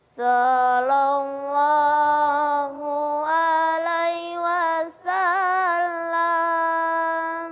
salam allah alaihi wasalam